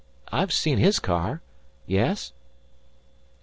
I've seen his car. Yes?"